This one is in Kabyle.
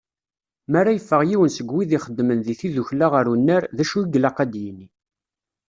Mi ara yeffeɣ yiwen seg wid ixeddmen di tiddukkla ɣer unnar, d acu i ilaq ad yini.